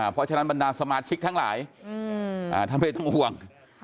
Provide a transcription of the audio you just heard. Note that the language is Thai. เพราะฉะนั้นบรรดาสมาชิกทั้งหลายท่านไม่ต้องห่วง